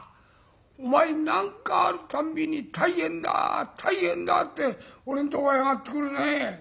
お前何かあるたんびに大変だ大変だって俺んとこへ上がってくるね。